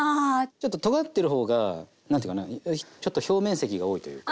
ちょっととがってる方が何ていうかなちょっと表面積が多いというか。